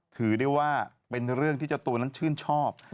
ถือได้ว่าเป็นเรื่องที่เจ้าตัวนั้นชื่นชอบ